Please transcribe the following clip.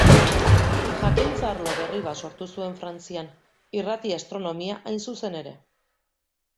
Jakintza-arlo berri bat sortu zuen Frantzian, irrati-astronomia, hain zuzen ere.